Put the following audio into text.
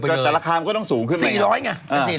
ราคามันก็ต้องสูงขึ้นไป